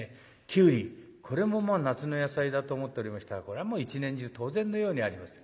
きゅうりこれももう夏の野菜だと思っておりましたがこれはもう一年中当然のようにあります。